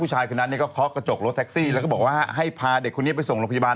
สายสีกันมากข้างล่าง